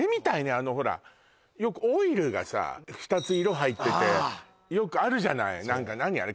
あのほらよくオイルがさ２つ色入っててああよくあるじゃない何か何あれ？